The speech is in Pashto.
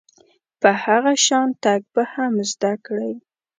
په هغه شان تګ به هم زده کړئ .